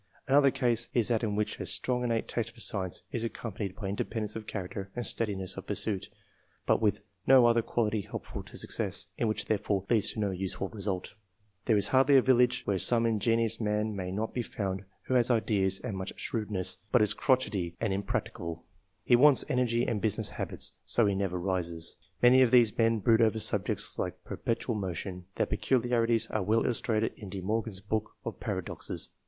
Another case, is that in which a strong innate taste for science is accompanied by independence of character and steadiness of pursuit, but with no other quality helpful to success, and which therefore leads to no useful result. There is hardly a village where some 232 ENGLISH MEN OF SCIENCE. [chap. ingenious man may not be found who has* ideas and much shrewdness, but is crotchety and im practicable. He wants energy and business habits, so he never rises. Many of these men brood over subjects like perpetual motion : their peculiarities are well illustrated in De Morgan's Book of Paradoxes.